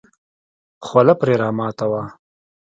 خوله پرې راماته وه.